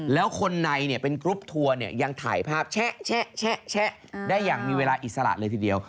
แล้วคนในเป็นกรุ๊ปทัวร์ยังถ่ายภาพแชะได้อย่างมีเวลาอิสระเลยทีเดียว